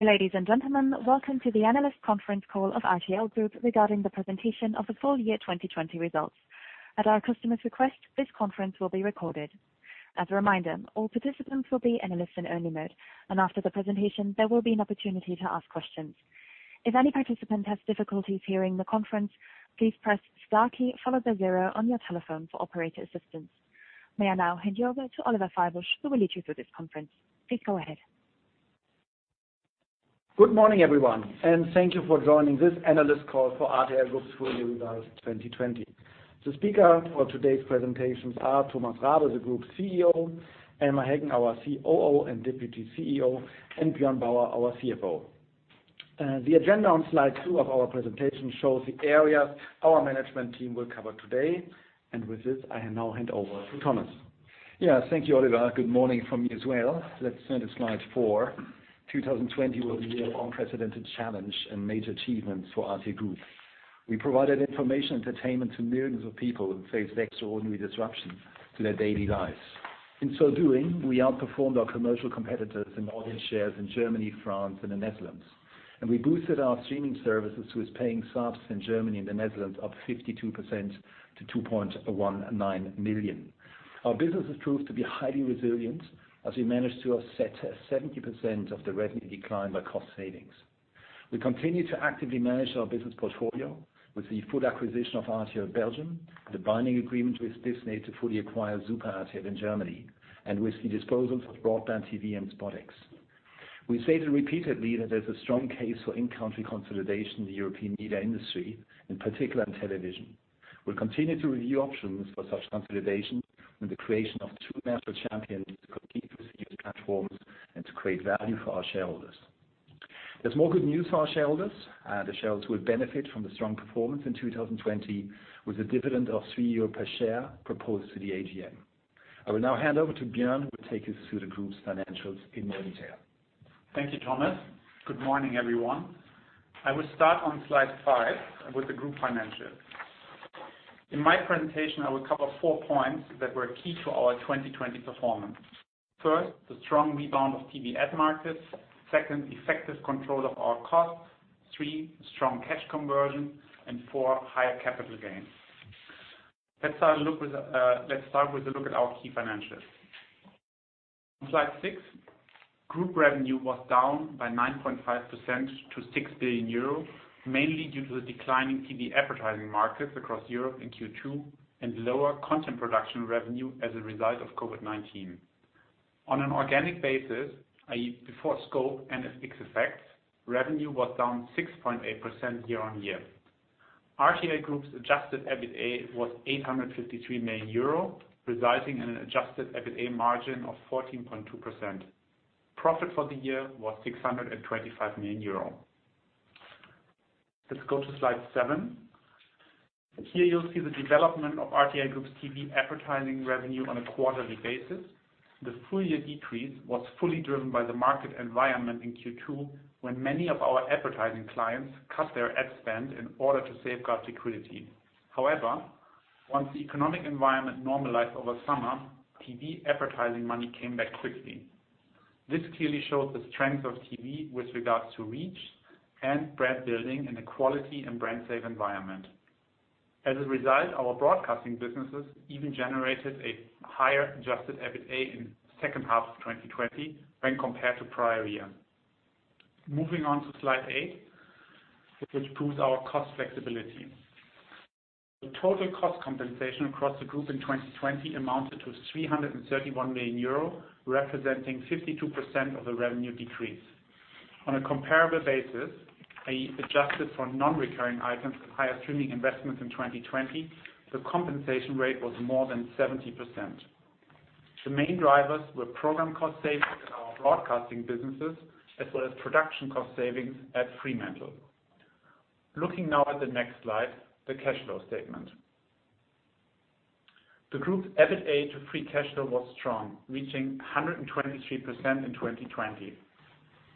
Ladies and gentlemen, welcome to the Analyst Conference Call of RTL Group Regarding the Presentation of the Full Year 2020 Results. At our customer's request, this conference will be recorded. As a reminder, all participants will be in a listen-only mode, and after the presentation, there will be an opportunity to ask questions. If any participant has difficulties hearing the conference, please press star key, followed by 0 on your telephone for operator assistance. May I now hand you over to Oliver Fahlbusch, who will lead you through this conference. Please go ahead. Good morning, everyone, and thank you for joining this Analyst Call for RTL Group's Full Year Results 2020. The speaker for today's presentations are Thomas Rabe, the Group CEO, Elmar Heggen, our COO and Deputy CEO, and Björn Bauer, our CFO. The agenda on slide two of our presentation shows the areas our management team will cover today. With this, I now hand over to Thomas. Yes. Thank you, Oliver. Good morning from me as well. Let's turn to slide four. 2020 was a year of unprecedented challenge and major achievements for RTL Group. We provided information entertainment to millions of people who faced extraordinary disruptions to their daily lives. In so doing, we outperformed our commercial competitors in audience shares in Germany, France, and the Netherlands. We boosted our streaming services with paying subs in Germany and the Netherlands up 52% to 2.19 million. Our businesses proved to be highly resilient as we managed to offset 70% of the revenue decline by cost savings. We continue to actively manage our business portfolio with the full acquisition of RTL Belgium, the binding agreement with Disney to fully acquire SUPER RTL in Germany, and with the disposals of BroadbandTV and SpotX. We stated repeatedly that there's a strong case for in-country consolidation in the European media industry, in particular in television. We continue to review options for such consolidation and the creation of two master champions to compete with these platforms and to create value for our shareholders. There's more good news for our shareholders. The shareholders will benefit from the strong performance in 2020 with a dividend of 3 euro per share proposed to the AGM. I will now hand over to Björn, who will take you through the group's financials in more detail. Thank you, Thomas. Good morning, everyone. I will start on slide five with the group financials. In my presentation, I will cover four points that were key to our 2020 performance. First, the strong rebound of TV ad markets. Second, effective control of our costs. Three, strong cash conversion, and four, higher capital gains. Let's start with a look at our key financials. On slide six, group revenue was down by 9.5% to 6 billion euros, mainly due to the decline in TV advertising markets across Europe in Q2 and lower content production revenue as a result of COVID-19. On an organic basis, i.e., before scope and FX effects, revenue was down 6.8% year-on-year. RTL Group's adjusted EBITDA was 853 million euro, resulting in an adjusted EBITDA margin of 14.2%. Profit for the year was 625 million euro. Let's go to slide seven. Here you'll see the development of RTL Group's TV advertising revenue on a quarterly basis. The full year decrease was fully driven by the market environment in Q2, when many of our advertising clients cut their ad spend in order to safeguard liquidity. However, once the economic environment normalized over summer, TV advertising money came back quickly. This clearly shows the strength of TV with regards to reach and brand building in a quality and brand-safe environment. As a result, our broadcasting businesses even generated a higher adjusted EBITDA in the second half of 2020 when compared to prior year. Moving on to slide eight, which proves our cost flexibility. The total cost compensation across the group in 2020 amounted to 331 million euro, representing 52% of the revenue decrease. On a comparable basis, i.e., adjusted for non-recurring items and higher streaming investments in 2020, the compensation rate was more than 70%. The main drivers were program cost savings in our broadcasting businesses, as well as production cost savings at Fremantle. Looking now at the next slide, the cash flow statement. The group's EBITDA to free cash flow was strong, reaching 123% in 2020.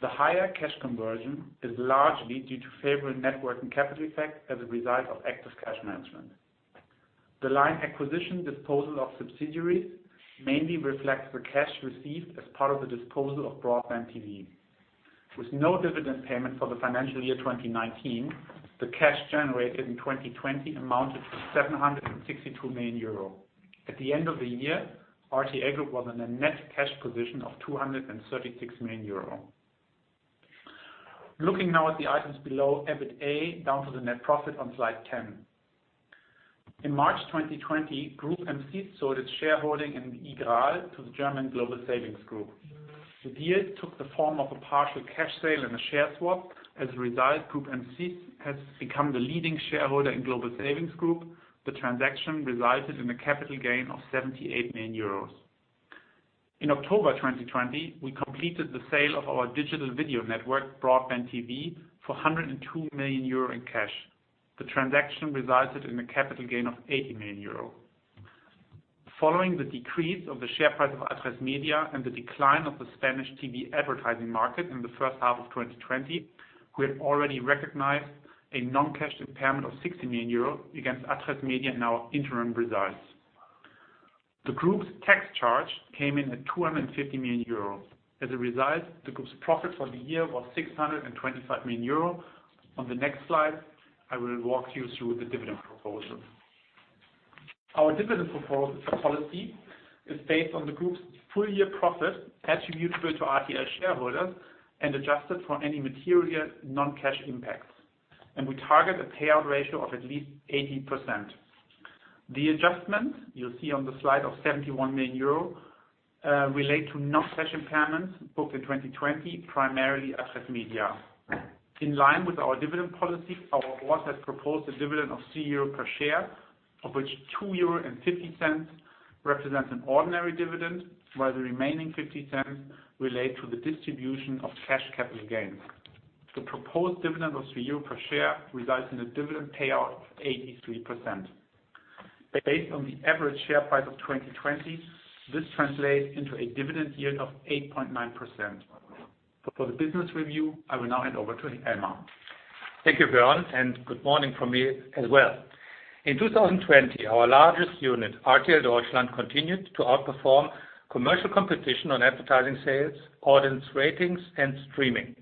The higher cash conversion is largely due to favorable network and capital effects as a result of active cash management. The line acquisition disposal of subsidiaries mainly reflects the cash received as part of the disposal of BroadbandTV. With no dividend payment for the financial year 2019, the cash generated in 2020 amounted to 762 million euro. At the end of the year, RTL Group was in a net cash position of 236 million euro. Looking now at the items below EBITDA, down to the net profit on slide 10. In March 2020, Groupama sold its shareholding in iGraal to the German Global Savings Group. The deal took the form of a partial cash sale and a share swap. As a result, Groupama has become the leading shareholder in Global Savings Group. The transaction resulted in a capital gain of 78 million euros. In October 2020, we completed the sale of our digital video network, BroadbandTV, for 102 million euro in cash. The transaction resulted in a capital gain of 80 million euro. Following the decrease of the share price of Atresmedia and the decline of the Spanish TV advertising market in the first half of 2020, we have already recognized a non-cash impairment of 60 million euros against Atresmedia in our interim results. The group's tax charge came in at 250 million euros. As a result, the group's profit for the year was 625 million euros. On the next slide, I will walk you through the dividend proposal. Our dividend proposal policy is based on the group's full year profit attributable to RTL shareholders and adjusted for any material non-cash impacts, and we target a payout ratio of at least 80%. The adjustment you'll see on the slide of 71 million euro, relate to non-cash impairments booked in 2020, primarily Atresmedia. In line with our dividend policy, our board has proposed a dividend of 3 euro per share, of which 2.50 euro represents an ordinary dividend, while the remaining 0.50 relate to the distribution of cash capital gains. The proposed dividend of 3 euro per share results in a dividend payout of 83%. Based on the average share price of 2020, this translates into a dividend yield of 8.9%. For the business review, I will now hand over to Elmar. Thank you, Björn, and good morning from me as well. In 2020, our largest unit, RTL Deutschland, continued to outperform commercial competition on advertising sales, audience ratings, and streaming.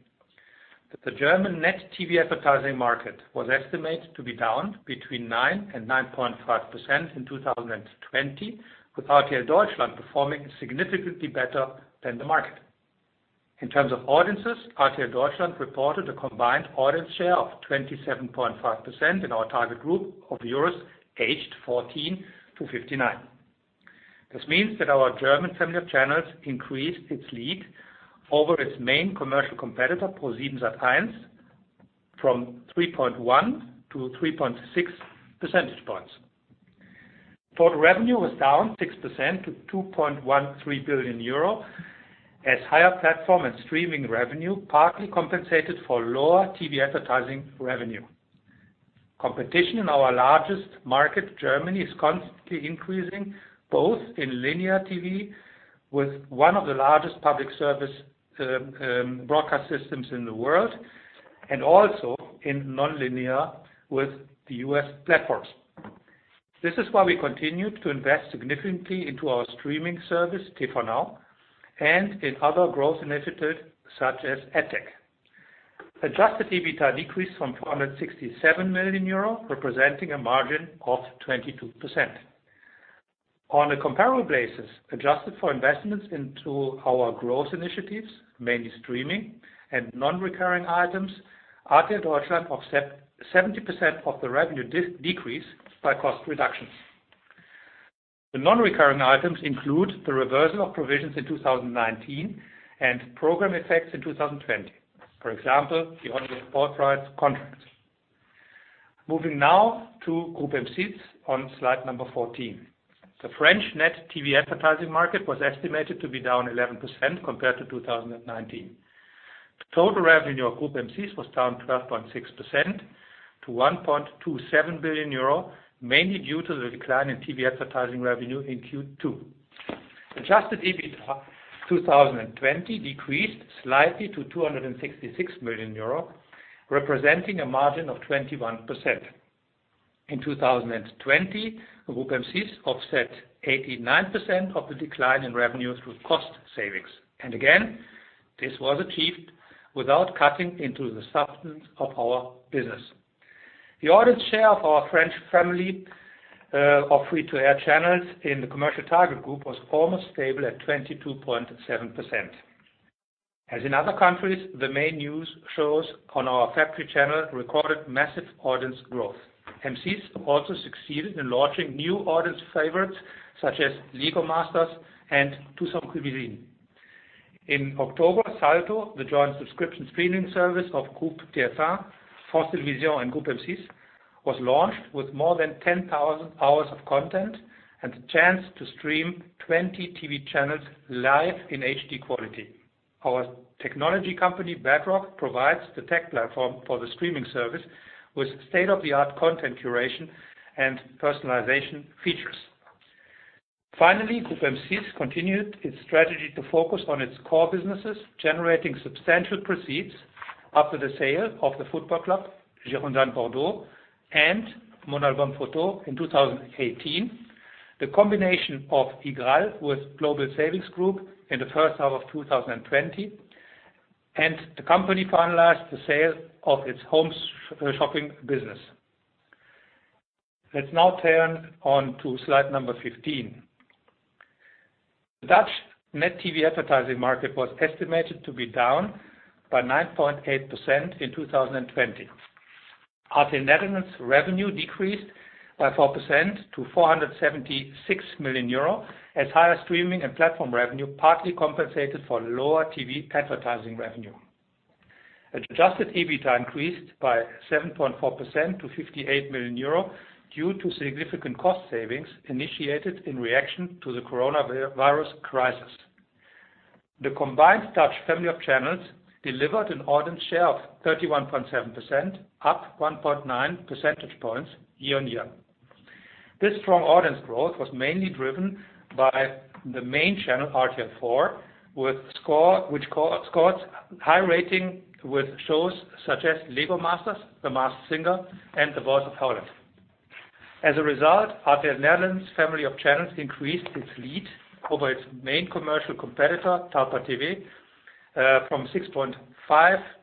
The German net TV advertising market was estimated to be down between 9% and 9.5% in 2020, with RTL Deutschland performing significantly better than the market. In terms of audiences, RTL Deutschland reported a combined audience share of 27.5% in our target group of viewers aged 14 to 59. This means that our German family of channels increased its lead over its main commercial competitor, ProSiebenSat.1, from 3.1 to 3.6 percentage points. Total revenue was down 6% to 2.13 billion euro, as higher platform and streaming revenue partly compensated for lower TV advertising revenue. Competition in our largest market, Germany, is constantly increasing, both in linear TV with one of the largest public service broadcast systems in the world, and also in nonlinear with the U.S. platforms. This is why we continued to invest significantly into our streaming service, TVNOW, and in other growth initiatives such as AdTech. Adjusted EBITDA decreased from 467 million euro, representing a margin of 22%. On a comparable basis, adjusted for investments into our growth initiatives, mainly streaming and non-recurring items, RTL Deutschland offset 70% of the revenue decrease by cost reductions. The non-recurring items include the reversal of provisions in 2019 and program effects in 2020. For example, the Bundesliga broadcast contract. Moving now to Groupe M6 on slide number 14. The French net TV advertising market was estimated to be down 11% compared to 2019. Total revenue of Groupe M6 was down 12.6% to 1.27 billion euro, mainly due to the decline in TV advertising revenue in Q2. Adjusted EBITDA 2020 decreased slightly to 266 million euro, representing a margin of 21%. In 2020, Groupe M6 offset 89% of the decline in revenue through cost savings. Again, this was achieved without cutting into the substance of our business. The audience share of our French family of free-to-air channels in the commercial target group was almost stable at 22.7%. As in other countries, the main news shows on our flagship channel recorded massive audience growth. M6 also succeeded in launching new audience favorites such as "LEGO Masters" and "Tout sauf que bégaye". In October, Salto, the joint subscription streaming service of Groupe TF1, France Télévisions, and Groupe M6, was launched with more than 10,000 hours of content and the chance to stream 20 TV channels live in HD quality. Our technology company, Bedrock, provides the tech platform for the streaming service with state-of-the-art content curation and personalization features. Finally, Groupe M6 continued its strategy to focus on its core businesses, generating substantial proceeds after the sale of the football club, Girondins de Bordeaux, and Mon Album Photo in 2018. The combination of iGraal with Global Savings Group in the first half of 2020. The company finalized the sale of its home shopping business. Let's now turn on to slide number 15. The Dutch net TV advertising market was estimated to be down by 9.8% in 2020. RTL Nederland revenue decreased by 4% to 476 million euro, as higher streaming and platform revenue partly compensated for lower TV advertising revenue. Adjusted EBITDA increased by 7.4% to 58 million euro due to significant cost savings initiated in reaction to the coronavirus crisis. The combined Dutch family of channels delivered an audience share of 31.7%, up 1.9 percentage points year-on-year. This strong audience growth was mainly driven by the main channel, RTL 4, which scored high rating with shows such as "LEGO Masters," "The Masked Singer," and "The Voice of Holland." RTL Nederland family of channels increased its lead over its main commercial competitor, Talpa TV, from 6.5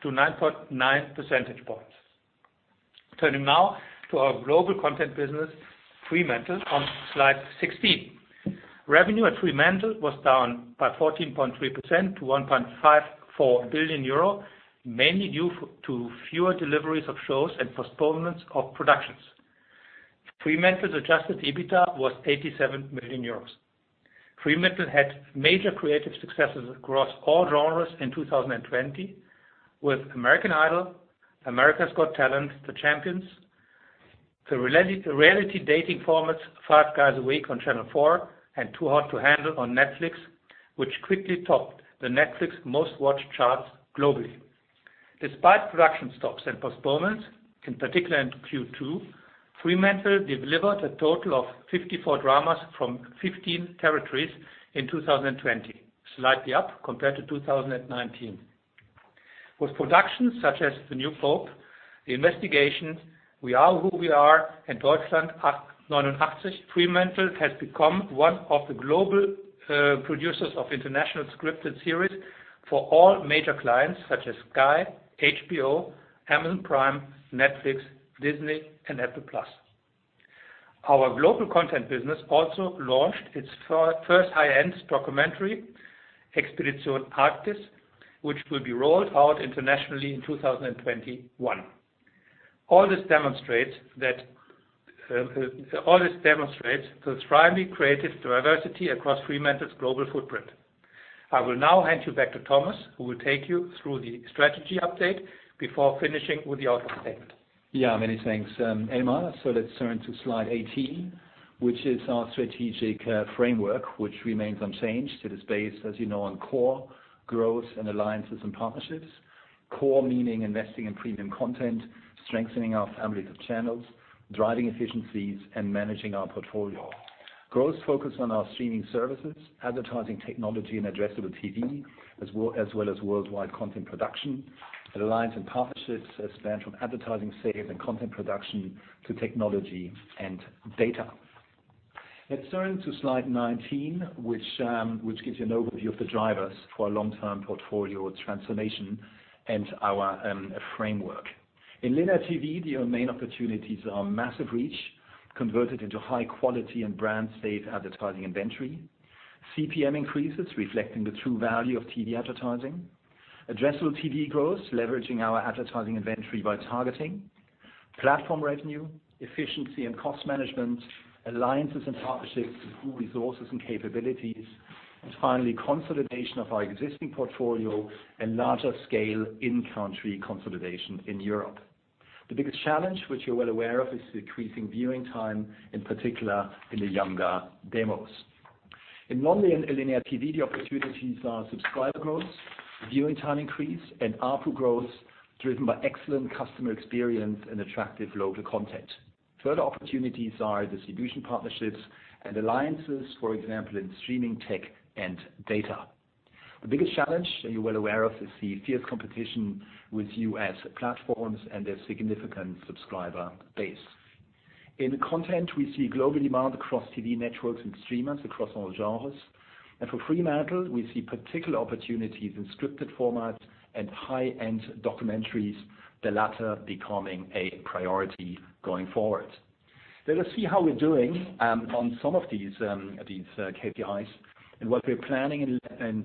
to 9.9 percentage points. Turning now to our global content business, Fremantle, on slide 16. Revenue at Fremantle was down by 14.3% to 1.54 billion euro, mainly due to fewer deliveries of shows and postponements of productions. Fremantle's adjusted EBITDA was 87 million euros. Fremantle had major creative successes across all genres in 2020 with "American Idol," "America's Got Talent," "The Champions," the reality dating formats, "Five Guys a Week" on Channel 4, and "Too Hot to Handle" on Netflix, which quickly topped the Netflix most-watched charts globally. Despite production stops and postponements, in particular in Q2, Fremantle delivered a total of 54 dramas from 15 territories in 2020, slightly up compared to 2019. With productions such as "The New Pope," "The Investigation," "We Are Who We Are," and "Deutschland 89," Fremantle has become one of the global producers of international scripted series for all major clients such as Sky, HBO, Amazon Prime, Netflix, Disney, and Apple+. Our global content business also launched its first high-end documentary, "Expedition Arctic" which will be rolled out internationally in 2021. All this demonstrates the thriving creative diversity across Fremantle's global footprint. I will now hand you back to Thomas, who will take you through the strategy update before finishing with the outlook statement. Yeah, many thanks, Elmar. Let's turn to slide 18, which is our strategic framework, which remains unchanged. It is based, as you know, on core, growth, and alliances and partnerships. Core meaning investing in premium content, strengthening our families of channels, driving efficiencies, and managing our portfolio. Growth focused on our streaming services, advertising technology, and addressable TV, as well as worldwide content production. Alliance and partnerships span from advertising sales and content production to technology and data. Let's turn to slide 19, which gives you an overview of the drivers for our long-term portfolio transformation and our framework. In linear TV, the main opportunities are massive reach converted into high quality and brand-safe advertising inventory. CPM increases reflecting the true value of TV advertising. Addressable TV growth, leveraging our advertising inventory by targeting. Platform revenue, efficiency, and cost management. Alliances and partnerships to pool resources and capabilities. Finally, consolidation of our existing portfolio and larger scale in-country consolidation in Europe. The biggest challenge, which you're well aware of, is decreasing viewing time, in particular in the younger demos. In non-linear TV, the opportunities are subscriber growth, viewing time increase, and ARPU growth, driven by excellent customer experience and attractive local content. Further opportunities are distribution partnerships and alliances, for example, in streaming tech and data. The biggest challenge that you're well aware of is the fierce competition with U.S. platforms and their significant subscriber base. In content, we see global demand across TV networks and streamers across all genres. For Fremantle, we see particular opportunities in scripted formats and high-end documentaries, the latter becoming a priority going forward. Let us see how we're doing on some of these KPIs and what we're planning in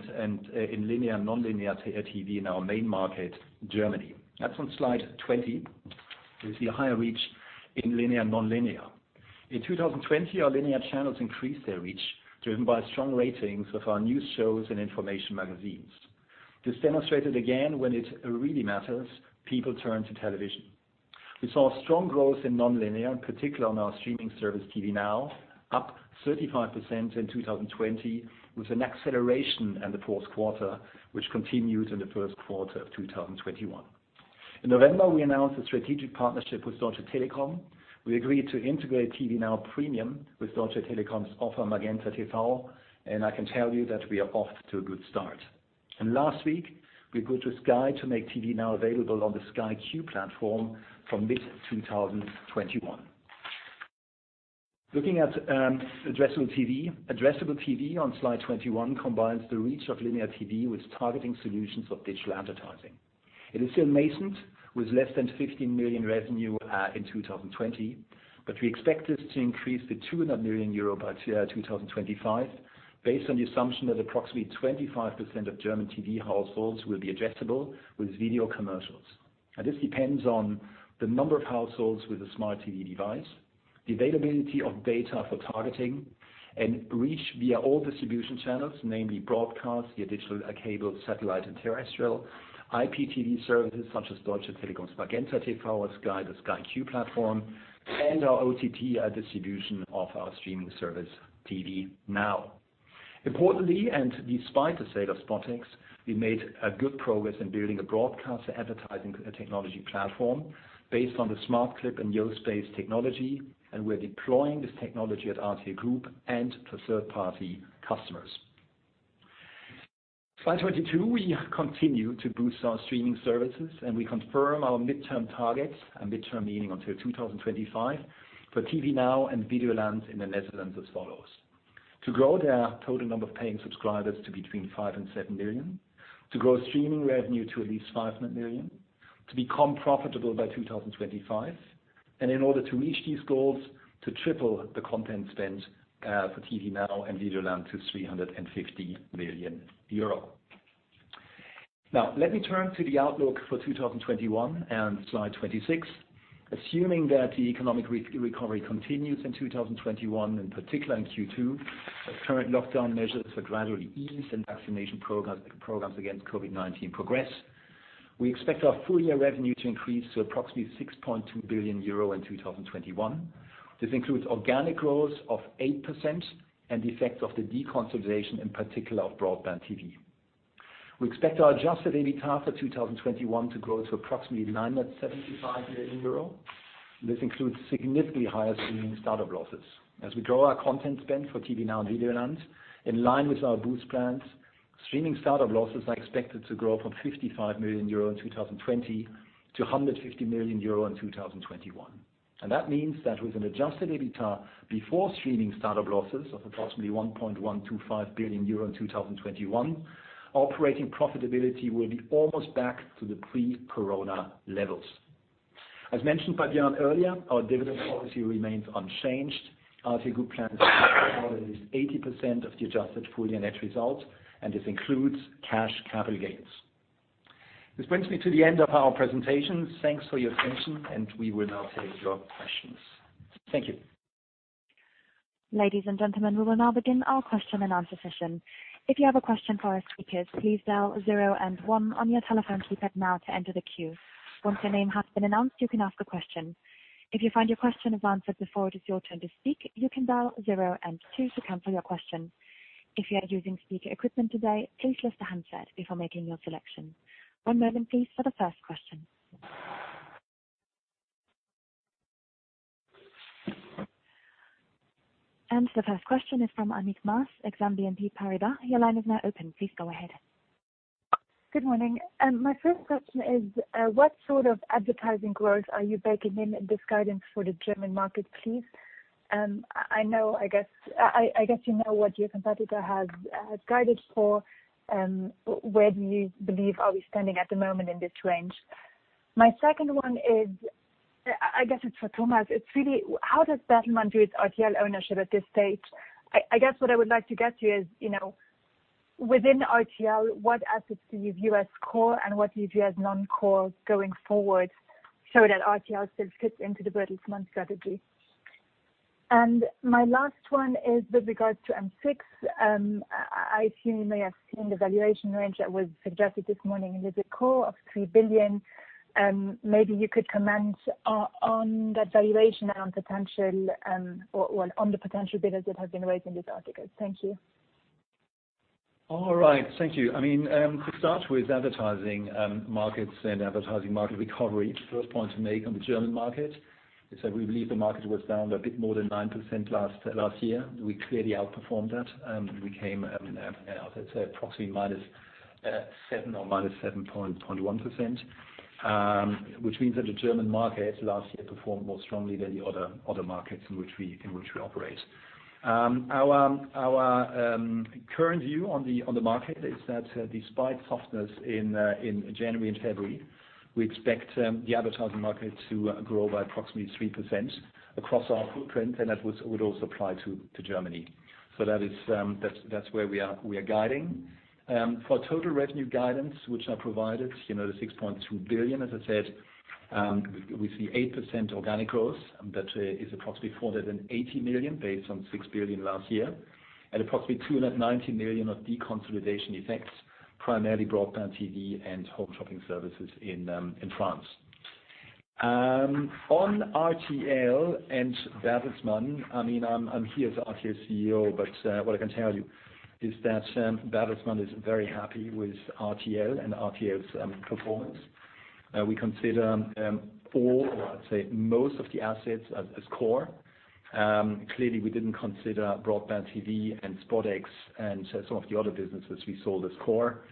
linear and non-linear TV in our main market, Germany. That's on slide 20. You see a higher reach in linear and non-linear. In 2020, our linear channels increased their reach, driven by strong ratings of our news shows and information magazines. This demonstrated again, when it really matters, people turn to television. We saw strong growth in non-linear, in particular on our streaming service, TVNOW, up 35% in 2020, with an acceleration in the fourth quarter, which continued in the first quarter of 2021. In November, we announced a strategic partnership with Deutsche Telekom. We agreed to integrate TVNOW Premium with Deutsche Telekom's offer, MagentaTV. I can tell you that we are off to a good start. Last week, we agreed with Sky to make TVNOW available on the Sky Q platform from mid-2021. Looking at addressable TV. Addressable TV on Slide 21 combines the reach of linear TV with targeting solutions of digital advertising. It is still nascent, with less than 15 million revenue in 2020. We expect this to increase to 200 million euro by 2025, based on the assumption that approximately 25% of German TV households will be addressable with video commercials. This depends on the number of households with a smart TV device, the availability of data for targeting, and reach via all distribution channels, namely broadcast via digital, cable, satellite, and terrestrial, IPTV services such as Deutsche Telekom's MagentaTV or Sky, the Sky Q platform, and our OTT distribution of our streaming service, TV NOW. Importantly, despite the sale of SpotX, we made good progress in building a broadcast advertising technology platform based on the Smartclip and Yospace base technology, and we're deploying this technology at RTL Group and for third-party customers. Slide 22, we continue to boost our streaming services, we confirm our midterm targets, and midterm meaning until 2025, for TVNOW and Videoland in the Netherlands as follows. To grow their total number of paying subscribers to between five and seven million, to grow streaming revenue to at least 500 million, to become profitable by 2025, in order to reach these goals, to triple the content spend for TVNOW and Videoland to 350 million euro. Now, let me turn to the outlook for 2021 and slide 26. Assuming that the economic recovery continues in 2021, in particular in Q2, as current lockdown measures are gradually eased and vaccination programs against COVID-19 progress. We expect our full-year revenue to increase to approximately 6.2 billion euro in 2021. This includes organic growth of 8% and the effect of the deconsolidation, in particular of BroadbandTV. We expect our adjusted EBITDA for 2021 to grow to approximately 975 million euro. This includes significantly higher streaming startup losses. As we grow our content spend for TVNOW and Videoland, in line with our boost plans, streaming startup losses are expected to grow from 55 million euro in 2020 to 150 million euro in 2021. That means that with an adjusted EBITDA before streaming startup losses of approximately 1.125 billion euro in 2021, operating profitability will be almost back to the pre-corona levels. As mentioned by Björn earlier, our dividend policy remains unchanged. RTL Group plans to pay out at least 80% of the adjusted full-year net results, and this includes cash capital gains. This brings me to the end of our presentation. Thanks for your attention, and we will now take your questions. Thank you. The first question is from Annick Maas, Exane BNP Paribas. Your line is now open. Please go ahead. Good morning. My first question is, what sort of advertising growth are you baking in this guidance for the German market, please? I guess you know what your competitor has guided for. Where do you believe are we standing at the moment in this range? My second one is, I guess it's for Thomas. How does Bertelsmann do its RTL ownership at this stage? I guess what I would like to get to is, within RTL, what assets do you view as core and what do you view as non-core going forward so that RTL still fits into the Bertelsmann strategy? My last one is with regards to M6. I assume you may have seen the valuation range that was suggested this morning in Les Echos of 3 billion. Maybe you could comment on that valuation and on the potential bidders that have been raised in this article. Thank you. All right. Thank you. To start with advertising markets and advertising market recovery, the first point to make on the German market is that we believe the market was down a bit more than 9% last year. We clearly outperformed that. We came in at, let's say, approximately minus seven or minus 7.21%, which means that the German market last year performed more strongly than the other markets in which we operate. Our current view on the market is that despite softness in January and February, we expect the advertising market to grow by approximately 3% across our footprint, and that would also apply to Germany. That's where we are guiding. For total revenue guidance, which I provided, the 6.2 billion, as I said, with the 8% organic growth, that is approximately 480 million based on 6 billion last year, and approximately 290 million of deconsolidation effects, primarily BroadbandTV and home shopping services in France. On RTL and Bertelsmann, I'm here as the RTL Group CEO, what I can tell you is that Bertelsmann is very happy with RTL and RTL's performance. We consider all, or let's say most, of the assets as core. Clearly, we didn't consider BroadbandTV and SpotX and some of the other businesses we sold as core,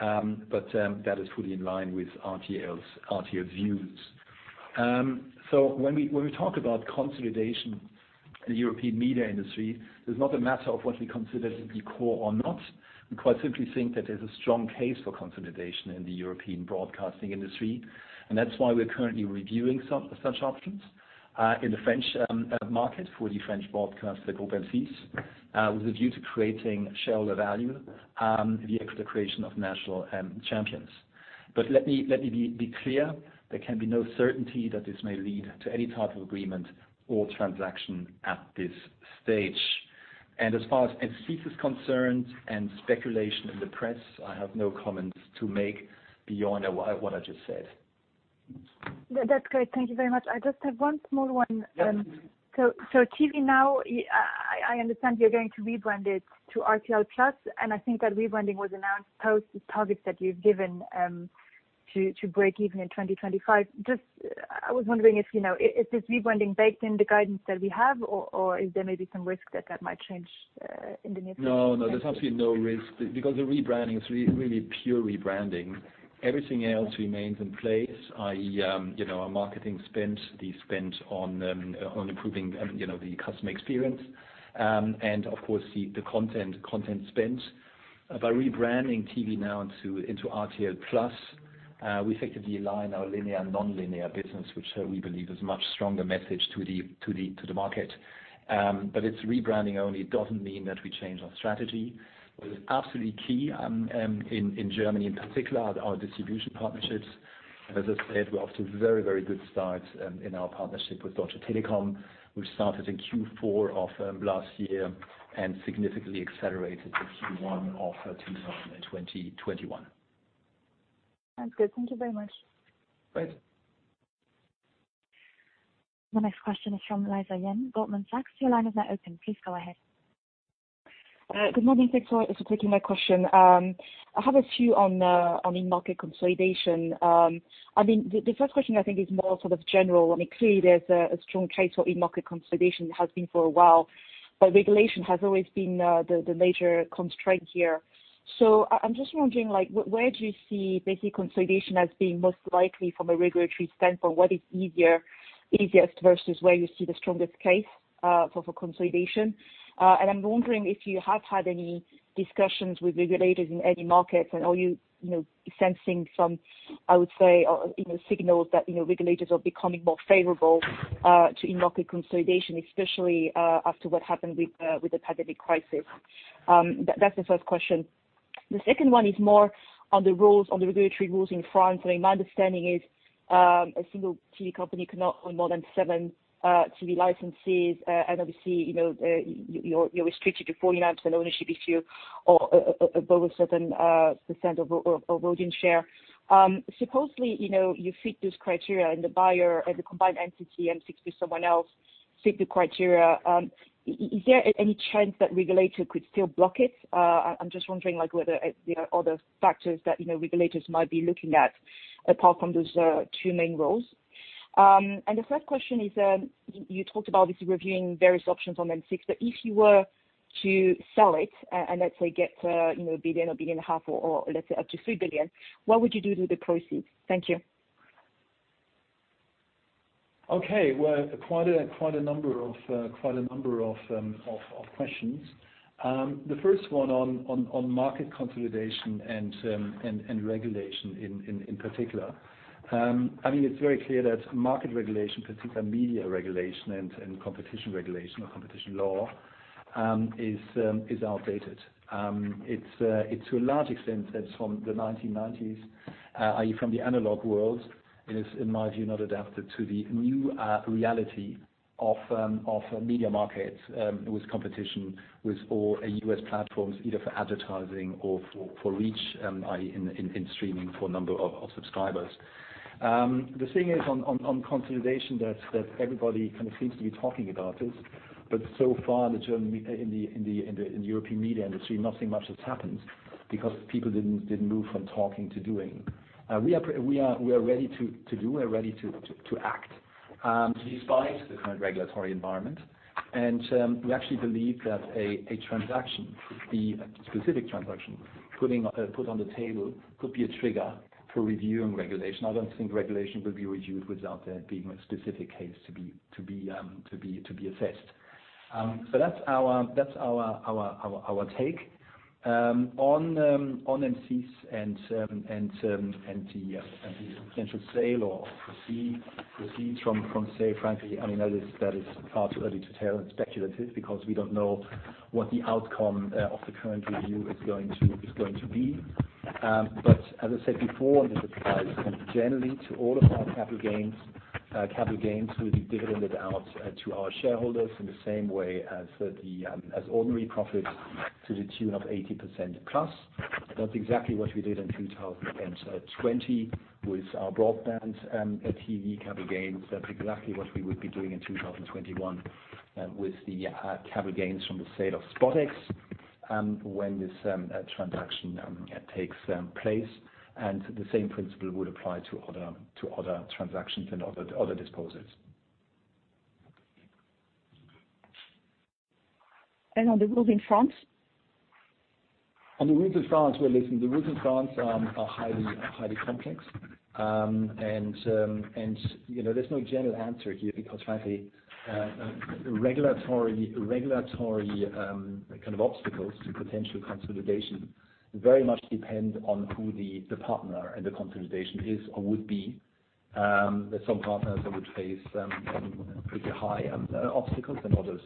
that is fully in line with RTL's views. When we talk about consolidation in the European media industry, it's not a matter of what we consider to be core or not. We quite simply think that there's a strong case for consolidation in the European broadcasting industry, and that's why we're currently reviewing such options in the French market for the French broadcaster Groupe M6, with a view to creating shareholder value via the creation of national champions. Let me be clear, there can be no certainty that this may lead to any type of agreement or transaction at this stage. As far as M6 is concerned and speculation in the press, I have no comments to make beyond what I just said. That's great. Thank you very much. I just have one small one. Yes, please. TVNOW, I understand you're going to rebrand it to RTL+. I think that rebranding was announced post the targets that you've given to break even in 2025. I was wondering if this rebranding baked in the guidance that we have, or is there maybe some risk that that might change in the near future? There's absolutely no risk because the rebranding is really pure rebranding. Everything else remains in place, i.e., our marketing spend, the spend on improving the customer experience, and of course, the content spend. By rebranding TVNOW into RTL+, we effectively align our linear and non-linear business, which we believe is a much stronger message to the market. It's rebranding only. It doesn't mean that we change our strategy. What is absolutely key, in Germany in particular, are our distribution partnerships. As I said, we're off to a very good start in our partnership with Deutsche Telekom, which started in Q4 of last year and significantly accelerated for Q1 of 2021. Sounds good. Thank you very much. Great. The next question is from Lisa Yang, Goldman Sachs. Your line is now open. Please go ahead. Good morning. Thanks for taking my question. I have a few on in-market consolidation. The first question I think is more general. Clearly, there's a strong case for in-market consolidation, has been for a while, but regulation has always been the major constraint here. I'm just wondering, where do you see basically consolidation as being most likely from a regulatory standpoint? What is easiest versus where you see the strongest case for consolidation? I'm wondering if you have had any discussions with regulators in any markets and are you sensing some, I would say, signals that regulators are becoming more favorable to in-market consolidation, especially after what happened with the pandemic crisis? That's the first question. The second one is more on the regulatory rules in France. My understanding is a single TV company cannot own more than seven TV licenses, and obviously, you're restricted to 49% ownership issue or above a certain % of voting share. Supposedly, you fit this criteria and the buyer as a combined entity and sticks with someone else, fit the criteria. Is there any chance that regulator could still block it? I'm just wondering whether there are other factors that regulators might be looking at apart from those two main roles. The third question is, you talked about obviously reviewing various options on M6, but if you were to sell it and let's say get 1 billion, 1.5 billion, or let's say up to 3 billion, what would you do with the proceeds? Thank you. Okay. Well, quite a number of questions. The first one on market consolidation and regulation in particular. It's very clear that market regulation, particularly media regulation and competition regulation or competition law, is outdated. It's to a large extent that's from the 1990s, i.e., from the analog world, and is, in my view, not adapted to the new reality of media markets with competition, with all U.S. platforms, either for advertising or for reach, i.e., in streaming for a number of subscribers. The thing is, on consolidation, that everybody kind of seems to be talking about it, but so far, in the European media industry, nothing much has happened because people didn't move from talking to doing. We are ready to act, despite the current regulatory environment. We actually believe that a transaction, the specific transaction put on the table, could be a trigger for reviewing regulation. I don't think regulation will be reviewed without there being a specific case to be assessed. That's our take. On M6 and the potential sale or proceeds from sale, frankly, that is far too early to tell and speculative because we don't know what the outcome of the current review is going to be. As I said before, this applies generally to all of our capital gains, capital gains will be dividended out to our shareholders in the same way as ordinary profits to the tune of 80% plus. That's exactly what we did in 2020 with our BroadbandTV capital gains. That's exactly what we would be doing in 2021 with the capital gains from the sale of SpotX when this transaction takes place. The same principle would apply to other transactions and other disposals. On the rules in France? On the rules in France, well, listen, the rules in France are highly complex. There's no general answer here because frankly, regulatory kind of obstacles to potential consolidation very much depend on who the partner and the consolidation is or would be. There's some partners that would face pretty high obstacles, and others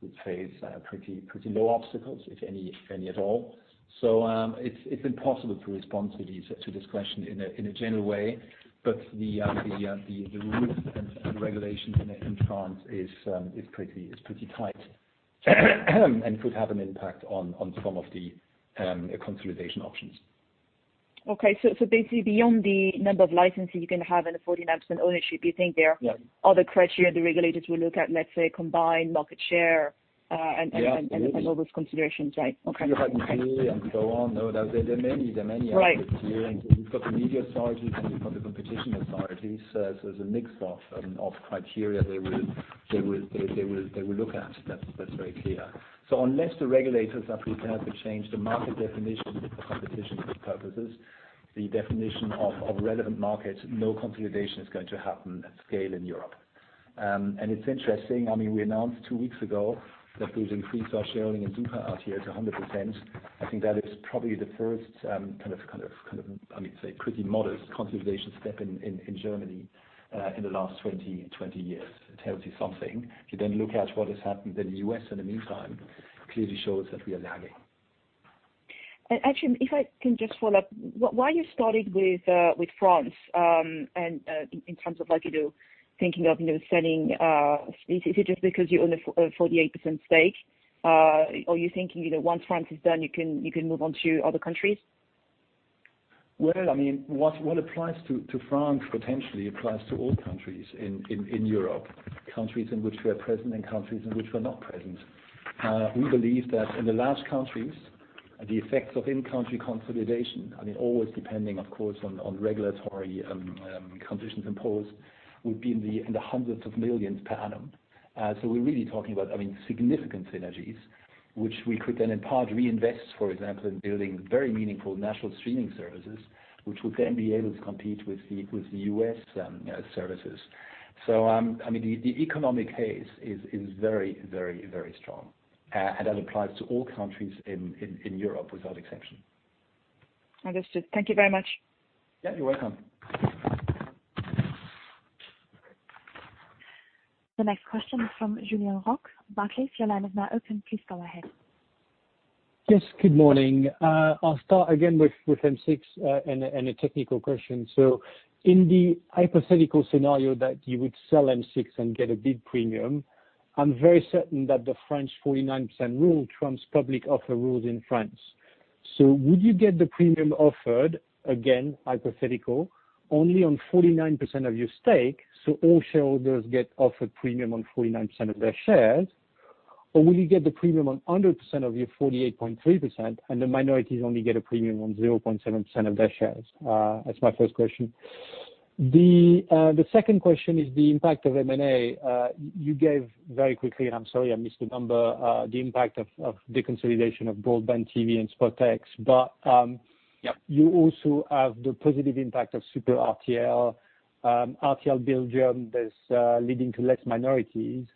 would face pretty low obstacles, if any at all. It's impossible to respond to this question in a general way, but the rules and regulations in France is pretty tight and could have an impact on some of the consolidation options. Okay. Basically, beyond the number of licenses you can have and the 49% ownership, you think there are other criteria the regulators will look at, let's say, combined market share. Yeah, absolutely. All those considerations, right? Okay. Geographic reach and so on. There are many aspects here. Right. You've got the media side of things, you've got the competition side. There's a mix of criteria they will look at, that's very clear. Unless the regulators are prepared to change the market definition for competition purposes, the definition of relevant markets, no consolidation is going to happen at scale in Europe. It's interesting. We announced two weeks ago that we've increased our share in SUPER RTL out here to 100%. I think that is probably the first, say, pretty modest consolidation step in Germany in the last 20 years. It tells you something. If you look at what has happened in the U.S. in the meantime, clearly shows that we are lagging. Actually, if I can just follow up, why you started with France, and in terms of thinking of selling, is it just because you own a 48% stake? Are you thinking, once France is done, you can move on to other countries? Well, what applies to France potentially applies to all countries in Europe. Countries in which we are present and countries in which we're not present. We believe that in the large countries, the effects of in-country consolidation, always depending, of course, on regulatory conditions imposed, would be in the hundreds of millions EUR per annum. We're really talking about significant synergies, which we could then in part reinvest, for example, in building very meaningful national streaming services, which would then be able to compete with the U.S. services. The economic case is very strong. That applies to all countries in Europe without exception. Understood. Thank you very much. Yeah, you're welcome. The next question is from Julien Roch, Barclays. Your line is now open. Please go ahead. Yes, good morning. I'll start again with M6, and a technical question. In the hypothetical scenario that you would sell M6 and get a bid premium, I'm very certain that the French 49% rule trumps public offer rules in France. Would you get the premium offered, again, hypothetical, only on 49% of your stake, so all shareholders get offered premium on 49% of their shares? Will you get the premium on 100% of your 48.3%, and the minorities only get a premium on 0.7% of their shares? That's my first question. The second question is the impact of M&A. You gave very quickly, and I'm sorry I missed the number, the impact of the consolidation of Broadband TV and SpotX. You also have the positive impact of SUPER RTL Belgium, that's leading to less minorities.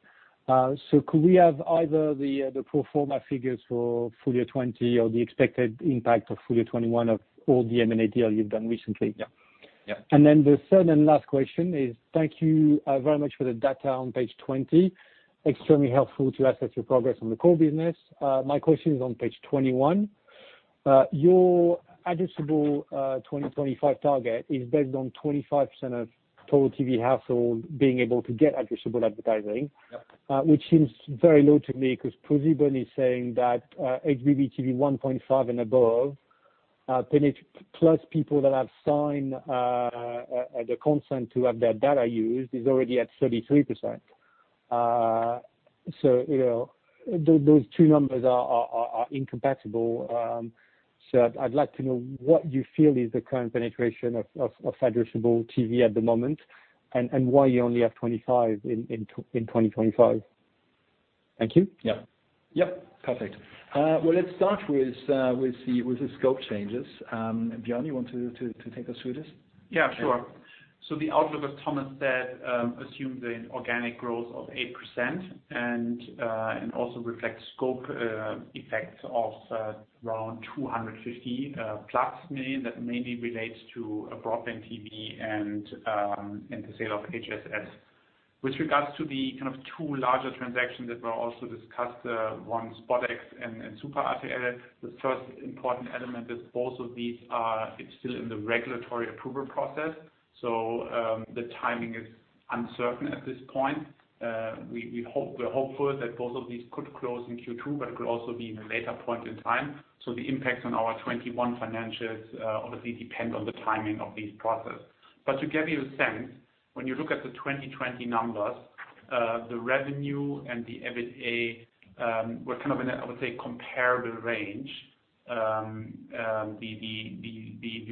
Could we have either the pro forma figures for full year 2020 or the expected impact of full year 2021 of all the M&A deals you've done recently? The third and last question is thank you very much for the data on page 20. Extremely helpful to assess your progress on the core business. My question is on page 21. Your addressable 2025 target is based on 25% of total TV households being able to get addressable advertising. Which seems very low to me because ProSieben is saying that HbbTV 1.5 and above, plus people that have signed the consent to have their data used, is already at 33%. Those two numbers are incompatible. I'd like to know what you feel is the current penetration of addressable TV at the moment, and why you only have 25 in 2025. Thank you. Yeah. Perfect. Well, let's start with the scope changes. Björn, you want to take us through this? Yeah, sure. The outlook, as Thomas said, assumes an organic growth of 8% and also reflects scope effects of around 250 plus million that mainly relates to BroadbandTV and the sale of HSS. With regards to the two larger transactions that were also discussed, one SpotX and SUPER RTL, the first important element is both of these are still in the regulatory approval process. The timing is uncertain at this point. We're hopeful that both of these could close in Q2, it could also be in a later point in time. The impact on our 2021 financials obviously depend on the timing of these processes. To give you a sense, when you look at the 2020 numbers, the revenue and the EBITDA were in a, I would say, comparable range. The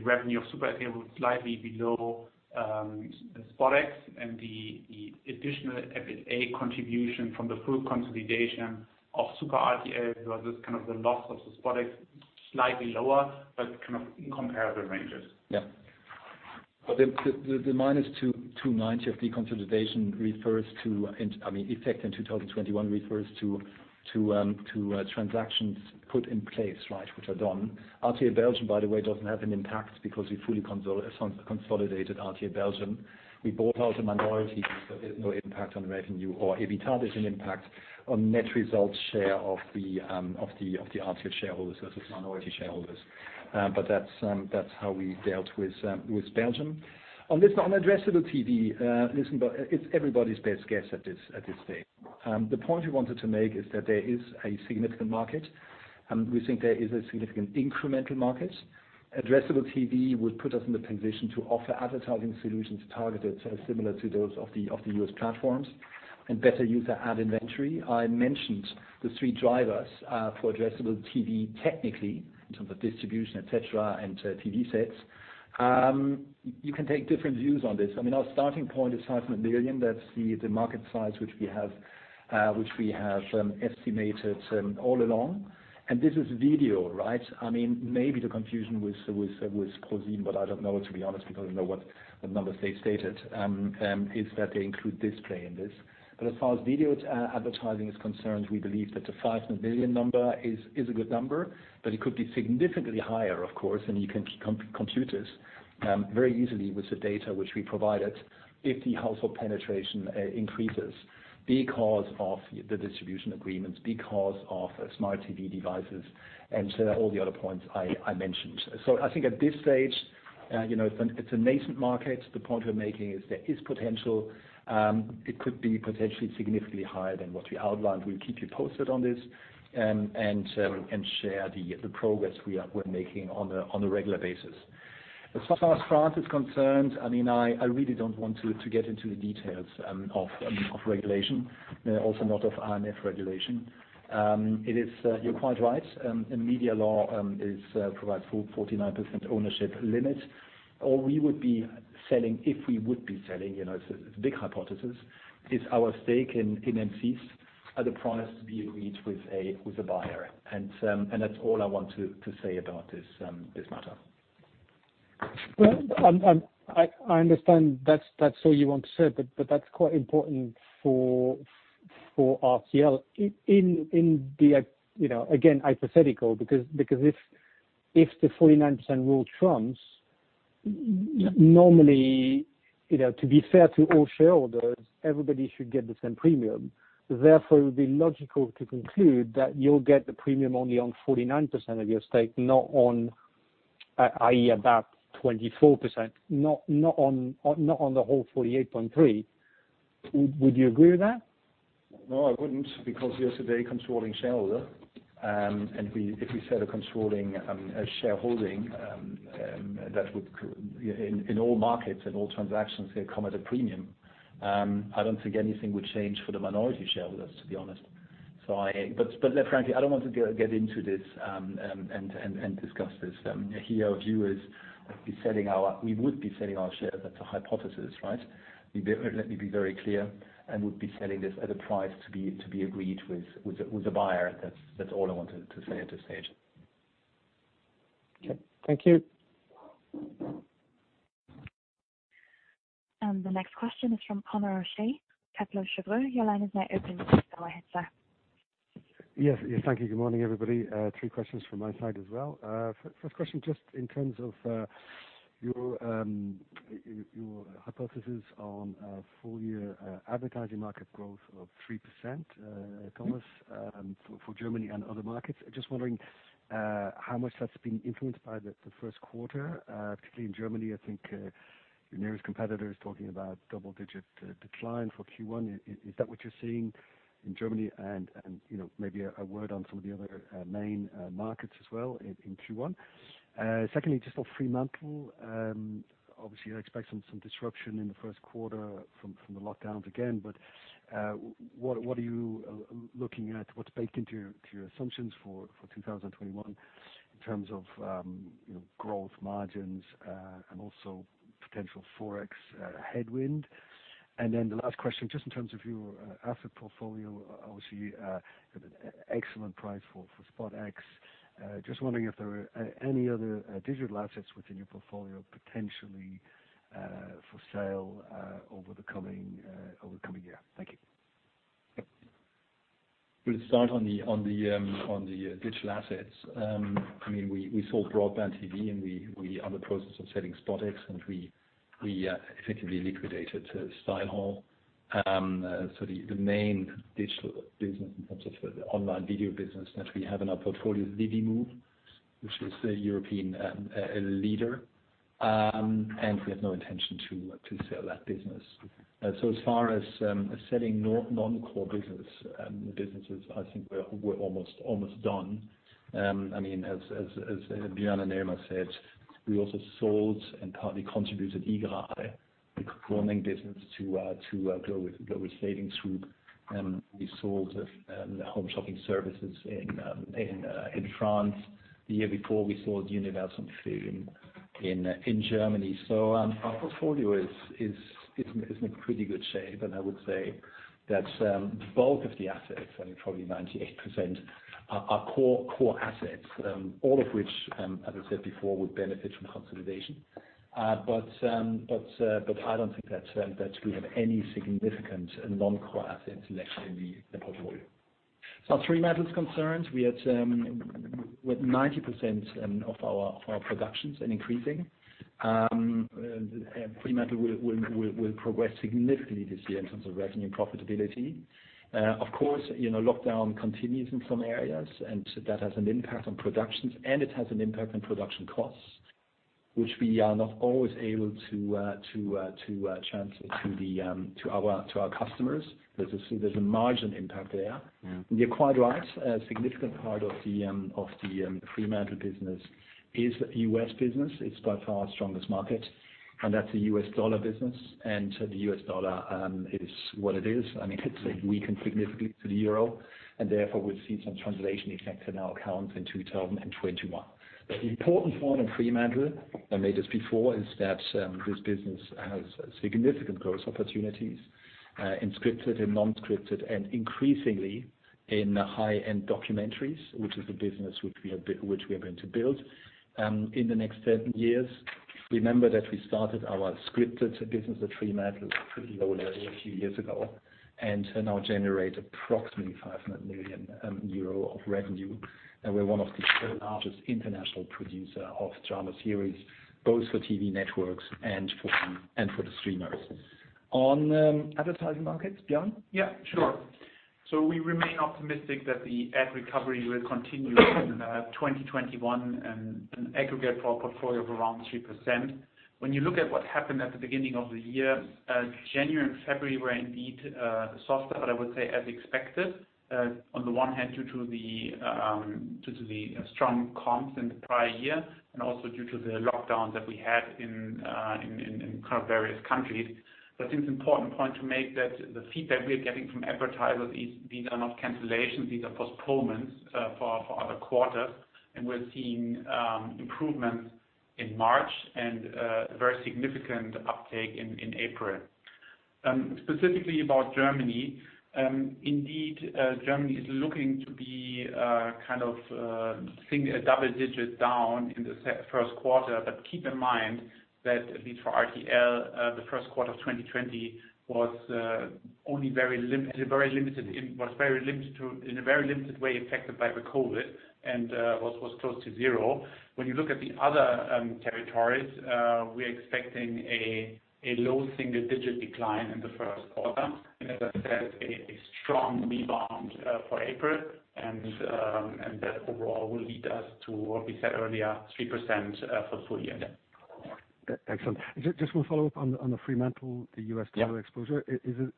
revenue of SUPER RTL was slightly below SpotX and the additional EBITDA contribution from the full consolidation of SUPER RTL versus the loss of the SpotX, slightly lower, but comparable ranges. Yeah. The minus 290 of the consolidation effect in 2021 refers to transactions put in place, which are done. RTL Belgium, by the way, doesn't have an impact because we fully consolidated RTL Belgium. We bought out a minority, there's no impact on revenue or EBITDA. There's an impact on net results share of the RTL shareholders versus minority shareholders. That's how we dealt with Belgium. On addressable TV, listen, it's everybody's best guess at this stage. The point we wanted to make is that there is a significant market. We think there is a significant incremental market. Addressable TV would put us in the position to offer advertising solutions targeted similar to those of the U.S. platforms and better use our ad inventory. I mentioned the three drivers for addressable TV technically, in terms of distribution, et cetera, and TV sets. You can take different views on this. Our starting point is 500 million. That's the market size which we have estimated all along. This is video, right? Maybe the confusion with ProSieben, I don't know to be honest, because I don't know what the numbers they stated, is that they include display in this. As far as video advertising is concerned, we believe that the 500 million number is a good number, but it could be significantly higher, of course, and you can compute this very easily with the data which we provided if the household penetration increases because of the distribution agreements, because of smart TV devices, and all the other points I mentioned. I think at this stage, it's a nascent market. The point we're making is there is potential. It could be potentially significantly higher than what we outlined. We'll keep you posted on this and share the progress we're making on a regular basis. As far as France is concerned, I really don't want to get into the details of regulation, also not of M&A regulation. You're quite right, the media law provides for 49% ownership limit. All we would be selling, if we would be selling, it's a big hypothesis, is our stake in M6 at a price to be agreed with a buyer. That's all I want to say about this matter. Well, I understand that's all you want to say, but that's quite important for RTL. Again, hypothetical, because if the 49% rule trumps, normally, to be fair to all shareholders, everybody should get the same premium. Therefore, it would be logical to conclude that you'll get the premium only on 49% of your stake, i.e., about 24%, not on the whole 48.3%. Would you agree with that? No, I wouldn't, because we are a very controlling shareholder. If we sell a shareholding, in all markets and all transactions they come at a premium. I don't think anything would change for the minority shareholders, to be honest. Frankly, I don't want to get into this and discuss this. Here, our view is we would be selling our shares. That's a hypothesis, right? Let me be very clear. We would be selling this at a price to be agreed with a buyer. That's all I wanted to say at this stage. Okay. Thank you. The next question is from Conor O'Shea, Kepler Cheuvreux. Your line is now open. Go ahead, sir. Yes. Thank you. Good morning, everybody. Three questions from my side as well. First question, just in terms of your hypothesis on full year advertising market growth of 3%, Thomas, for Germany and other markets. Just wondering how much that's been influenced by the first quarter. Particularly in Germany, I think your nearest competitor is talking about double-digit decline for Q1. Is that what you're seeing in Germany? Maybe a word on some of the other main markets as well in Q1. Secondly, just on Fremantle. Obviously, I expect some disruption in the first quarter from the lockdowns again, but what are you looking at? What's baked into your assumptions for 2021 in terms of growth margins, and also potential Forex headwind? The last question, just in terms of your asset portfolio. Obviously, an excellent price for SpotX. Just wondering if there are any other digital assets within your portfolio potentially for sale over the coming year. Thank you. We'll start on the digital assets. We sold BroadbandTV, and we are in the process of selling SpotX, and we effectively liquidated StyleHaul. The main digital business in terms of the online video business that we have in our portfolio is Divimove, which is a European leader, and we have no intention to sell that business. As far as selling non-core businesses, I think we're almost done. As Björn and Elmar said, we also sold and partly contributed Egoli, the performing business, to Global Savings Group. We sold home shopping services in France. The year before, we sold Universum Film in Germany. Our portfolio is in pretty good shape. I would say that the bulk of the assets, probably 98%, are core assets, all of which, as I said before, would benefit from consolidation. I don't think that we have any significant non-core assets left in the portfolio. As far as Fremantle is concerned, with 90% of our productions and increasing, Fremantle will progress significantly this year in terms of revenue profitability. Lockdown continues in some areas, and that has an impact on productions, and it has an impact on production costs, which we are not always able to transfer to our customers. There's a margin impact there. You're quite right. A significant part of the Fremantle business is U.S. business. It's by far our strongest market, that's a U.S. dollar business. The U.S. dollar is what it is. It's weakened significantly to the euro, therefore, we'll see some translation effect in our accounts in 2021. The important point on Fremantle, I made this before, is that this business has significant growth opportunities in scripted and non-scripted and increasingly in high-end documentaries, which is the business which we are going to build. In the next 10 years, remember that we started our scripted business at Fremantle from low level a few years ago, now generate approximately 500 million euro of revenue. We're one of the third largest international producer of drama series, both for TV networks and for the streamers. On advertising markets, Björn? Yeah, sure. We remain optimistic that the ad recovery will continue in 2021 in aggregate for a portfolio of around 3%. When you look at what happened at the beginning of the year, January and February were indeed softer, I would say, as expected. On the one hand, due to the strong comps in the prior year and also due to the lockdowns that we had in various countries. It's an important point to make that the feedback we are getting from advertisers is these are not cancellations, these are postponements for other quarters, and we're seeing improvements in March and a very significant uptake in April. Specifically about Germany. Indeed, Germany is looking to be a double-digit down in the first quarter, but keep in mind that at least for RTL, the first quarter of 2020 was only in a very limited way affected by the COVID-19 and was close to zero. When you look at the other territories, we're expecting a low single-digit decline in the first quarter. As I said, a strong rebound for April, and that overall will lead us to what we said earlier, 3% for the full year. Excellent. Just one follow-up on the Fremantle. Yeah. Dollar exposure, is it,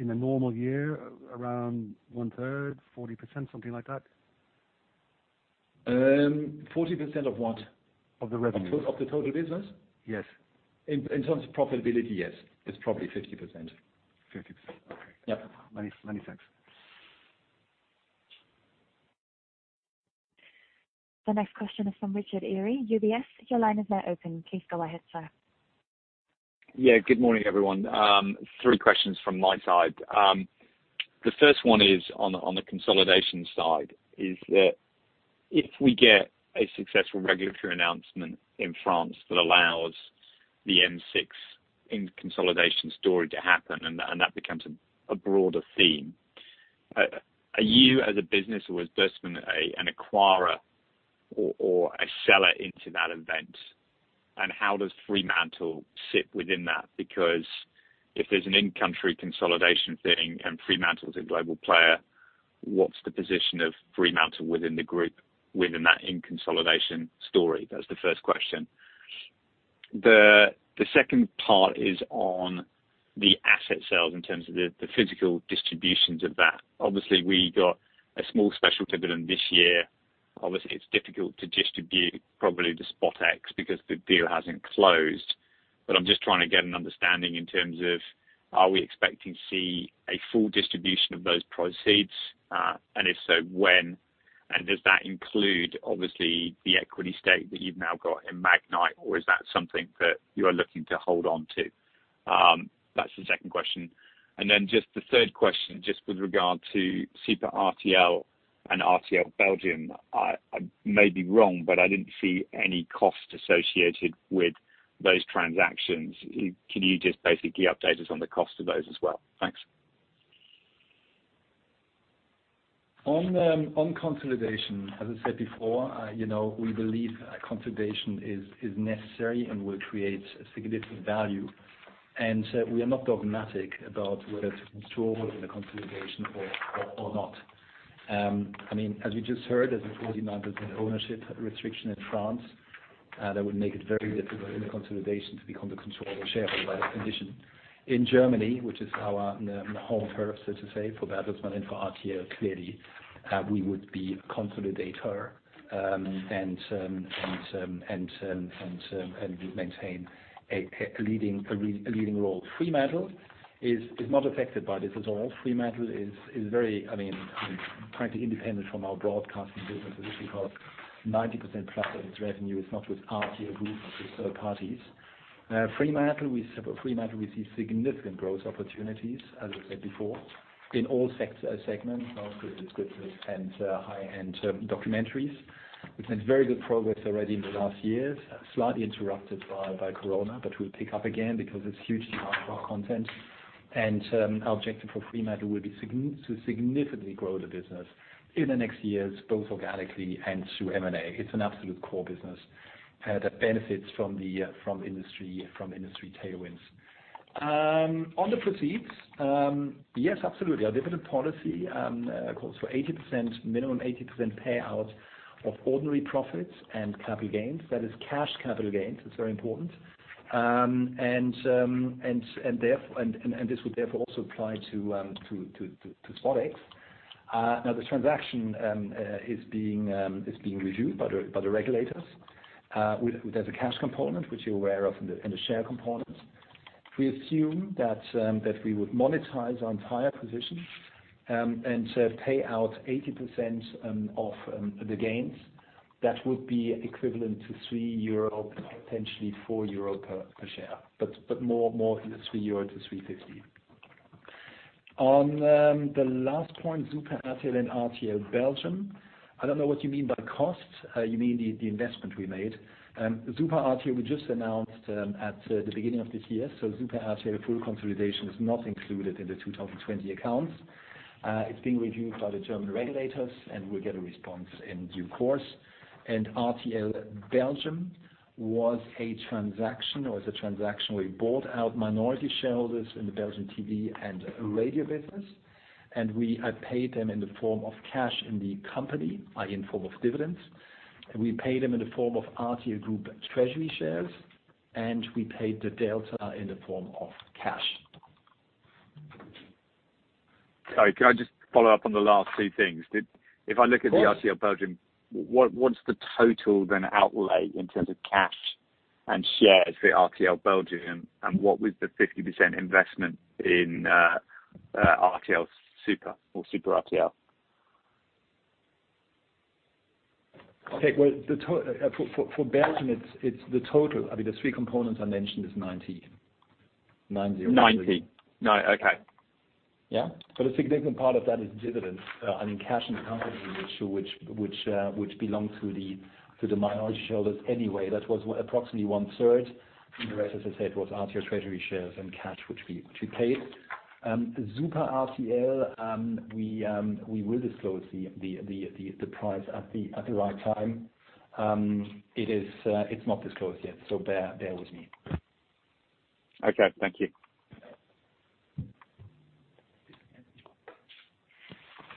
in a normal year, around one third, 40%, something like that? 40% of what? Of the revenues. Of the total business? Yes. In terms of profitability, yes. It's probably 50%. 50%, okay. Yes. Many thanks. The next question is from Richard Eary, UBS. Your line is now open. Please go ahead, sir. Good morning, everyone. Three questions from my side. The first one is on the consolidation side, is that if we get a successful regulatory announcement in France that allows the M6 consolidation story to happen and that becomes a broader theme, are you, as a business, or as Bertelsmann, an acquirer or a seller into that event? How does Fremantle sit within that? If there's an in-country consolidation thing and Fremantle's a global player, what's the position of Fremantle within the group, within that in consolidation story? That's the first question. The second part is on the asset sales in terms of the physical distributions of that. Obviously, we got a small special dividend this year. Obviously, it's difficult to distribute probably the SpotX because the deal hasn't closed. I'm just trying to get an understanding in terms of, are we expecting to see a full distribution of those proceeds? If so, when? Does that include, obviously, the equity stake that you've now got in Magnite, or is that something that you are looking to hold on to? That's the second question. Just the third question, just with regard to SUPER RTL and RTL Belgium. I may be wrong, but I didn't see any cost associated with those transactions. Can you just basically update us on the cost of those as well? Thanks. On consolidation, as I said before, we believe consolidation is necessary and will create significant value. We are not dogmatic about whether to control in the consolidation or not. As we just heard, as it was reminded, the ownership restriction in France, that would make it very difficult in the consolidation to become the controlling shareholder, that condition. In Germany, which is our home turf, so to say, for Bertelsmann and for RTL, clearly, we would be a consolidator. Maintain a leading role. Fremantle is not affected by this at all. Fremantle is quite independent from our broadcasting business, because 90% plus of its revenue is not with RTL Group, but with third parties. Fremantle, we see significant growth opportunities, as I said before, in all segments, both in scripted and high-end documentaries. We've made very good progress already in the last years, slightly interrupted by COVID-19. We'll pick up again because it's hugely hard for our content. Our objective for Fremantle will be to significantly grow the business in the next years, both organically and through M&A. It's an absolute core business that benefits from industry tailwinds. On the proceeds, yes, absolutely. Our dividend policy calls for minimum 80% payout of ordinary profits and capital gains. That is cash capital gains, it's very important. This would therefore also apply to SpotX. Now the transaction is being reviewed by the regulators. There's a cash component, which you're aware of, and the share component. We assume that we would monetize our entire position and pay out 80% of the gains. That would be equivalent to 3 euro, potentially 4 euro per share. More in the 3 euro to 3.50. On the last point, Super RTL and RTL Belgium, I don't know what you mean by cost. You mean the investment we made. Super RTL, we just announced at the beginning of this year. Super RTL full consolidation is not included in the 2020 accounts. It is being reviewed by the German regulators, and we will get a response in due course. RTL Belgium was a transaction where we bought out minority shareholders in the Belgian TV and radio business, and we had paid them in the form of cash in the company, i.e. in form of dividends. We paid them in the form of RTL Group treasury shares. We paid the delta in the form of cash. Sorry, can I just follow up on the last two things? Of course. If I look at the RTL Belgium, what's the total, then, outlay in terms of cash and shares for RTL Belgium? What was the 50% investment in SUPER RTL? Okay. Well, for Belgium, the total of the three components I mentioned is 90. Nine-zero. 90. No, okay. Yeah. A significant part of that is dividends, I mean, cash in the company, which belong to the minority shareholders anyway. That was approximately one third. The rest, as I said, was RTL treasury shares and cash, which we paid. SUPER RTL, we will disclose the price at the right time. It's not disclosed yet, so bear with me. Okay, thank you.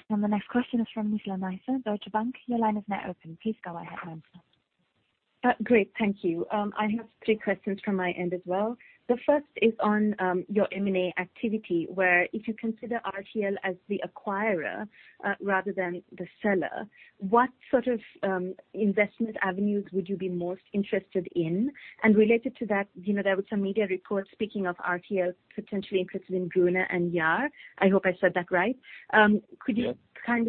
The next question is from Nizla Naizer, Deutsche Bank. Your line is now open. Please go ahead, Nizla. Great, thank you. I have three questions from my end as well. The first is on your M&A activity, where if you consider RTL as the acquirer rather than the seller, what sort of investment avenues would you be most interested in? Related to that, there were some media reports speaking of RTL potentially interested in Gruner + Jahr. I hope I said that right. Yeah. Could you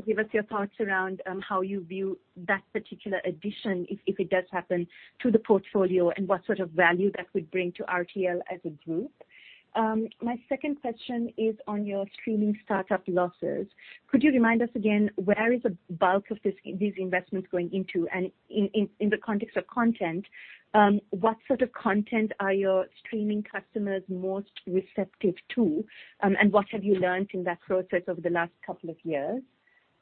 give us your thoughts around how you view that particular addition, if it does happen, to the portfolio, and what sort of value that would bring to RTL as a group? My second question is on your streaming startup losses. Could you remind us again, where is the bulk of these investments going into? In the context of content, what sort of content are your streaming customers most receptive to, and what have you learned in that process over the last couple of years?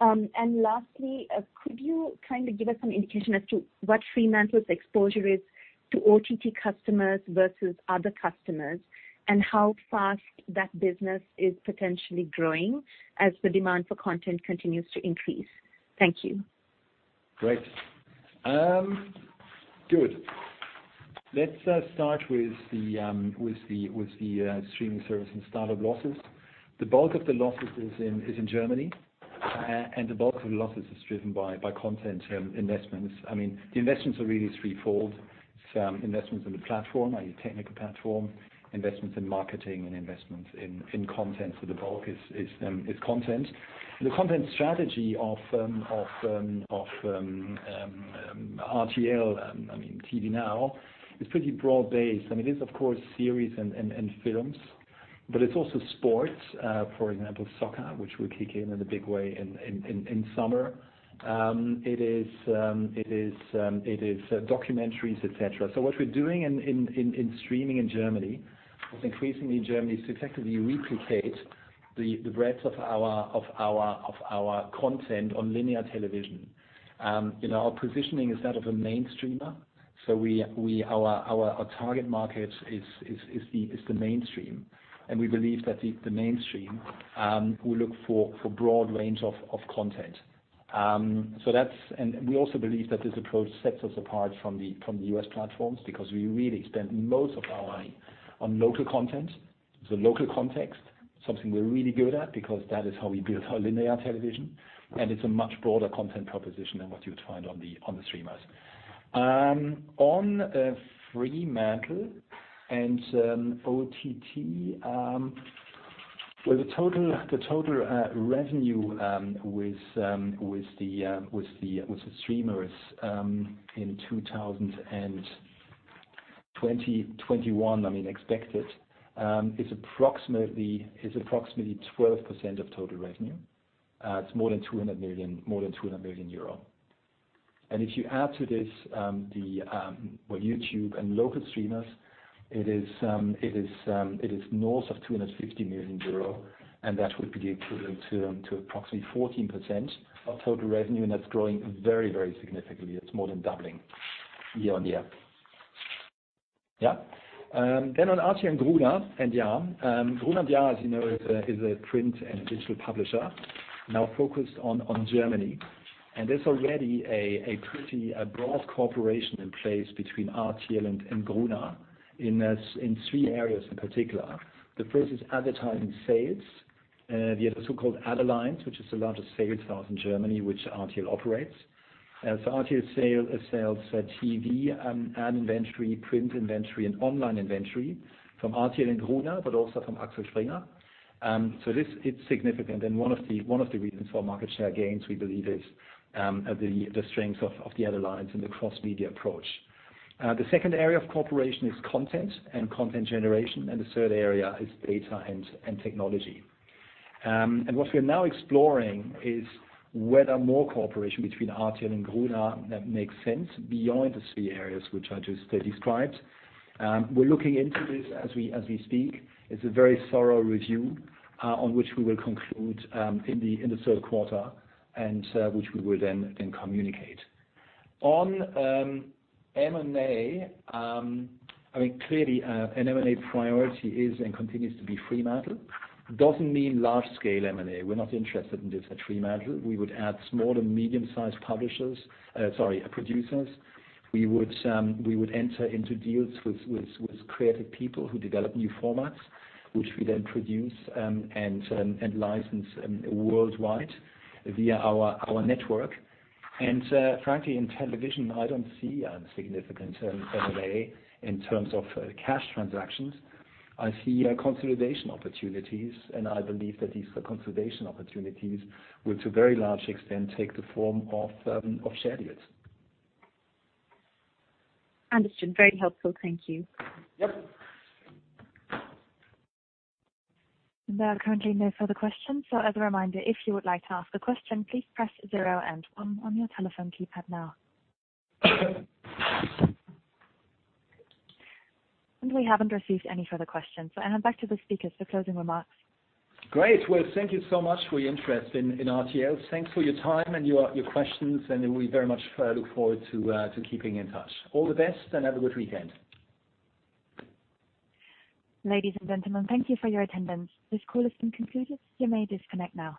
Lastly, could you give us some indication as to what Fremantle's exposure is to OTT customers versus other customers, and how fast that business is potentially growing as the demand for content continues to increase? Thank you. Great. Good. Let's start with the streaming service and startup losses. The bulk of the losses is in Germany. The bulk of the losses is driven by content investments. The investments are really threefold. Investments in the platform, i.e., technical platform, investments in marketing, and investments in content. The bulk is content. The content strategy of RTL and TVNOW is pretty broad-based. It is, of course, series and films. It's also sports. For example, soccer, which will kick in in a big way in summer. It is documentaries, et cetera. What we're doing in streaming in Germany, because increasingly in Germany, is to effectively replicate the breadth of our content on linear television. Our positioning is that of a mainstreamer. Our target market is the mainstream. We believe that the mainstream will look for broad range of content. We also believe that this approach sets us apart from the U.S. platforms, because we really spend most of our money on local content. Local context, something we're really good at, because that is how we built our linear television, and it's a much broader content proposition than what you would find on the streamers. On Fremantle and OTT, well, the total revenue with the streamers in 2021, expected, is approximately 12% of total revenue. It's more than 200 million. If you add to this YouTube and local streamers, it is north of 250 million euro, and that would be equivalent to approximately 14% of total revenue. That's growing very, very significantly. It's more than doubling year-on-year. Yeah. On RTL and Gruner + Jahr. Gruner + Jahr, as you know, is a print and digital publisher now focused on Germany. There's already a pretty broad cooperation in place between RTL and Gruner in three areas in particular. The first is advertising sales via the so-called Ad Alliance, which is the largest sales house in Germany, which RTL operates. RTL sells TV ad inventory, print inventory, and online inventory from RTL and Gruner, but also from Axel Springer. It's significant, and one of the reasons for market share gains, we believe, is the strength of the Ad Alliance and the cross-media approach. The second area of cooperation is content and content generation, and the third area is data and technology. What we are now exploring is whether more cooperation between RTL and Gruner makes sense beyond the three areas which I just described. We're looking into this as we speak. It's a very thorough review, on which we will conclude in the third quarter, and which we will then communicate. On M&A, clearly an M&A priority is and continues to be Fremantle. Doesn't mean large-scale M&A. We're not interested in just at Fremantle. We would add small to medium-sized producers. We would enter into deals with creative people who develop new formats, which we then produce and license worldwide via our network. Frankly, in television, I don't see a significant M&A in terms of cash transactions. I see consolidation opportunities, and I believe that these consolidation opportunities would, to a very large extent, take the form of share deals. Understood. Very helpful. Thank you. Yes. There are currently no further questions. We haven't received any further questions. Back to the speakers for closing remarks. Great. Well, thank you so much for your interest in RTL. Thanks for your time and your questions, and we very much look forward to keeping in touch. All the best, and have a good weekend. Ladies and gentlemen, thank you for your attendance. This call has been concluded. You may disconnect now.